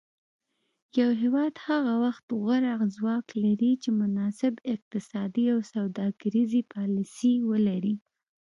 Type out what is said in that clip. یو هیواد هغه وخت غوره ځواک لري چې مناسب اقتصادي او سوداګریزې پالیسي ولري